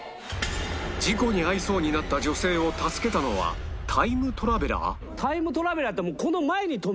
事故に遭いそうになった女性を助けたのはタイムトラベラー？